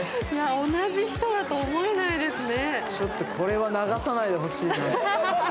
同じ人だと思えないですね。